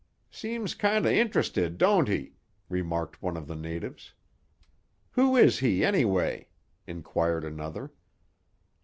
"Seems kinder int'rested, don't he?" remarked one of the natives. "Who is he, anyway?" inquired another.